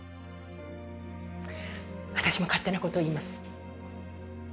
私も勝手なことを言います。